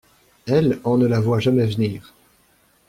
Elle, on ne la voit jamais venir.